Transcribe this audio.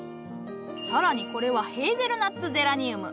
更にこれは「ヘーゼルナッツゼラニウム」。